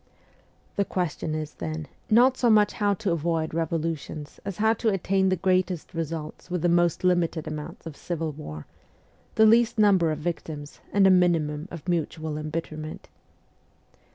The question is, then, not so much how to avoid revolutions as how to attain the greatest results with the most limited amount of civil war, the least number of victims, and a minimum of mutual embitterment.